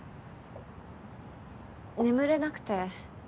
眠れなくて。